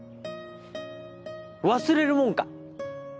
忘れるもんか！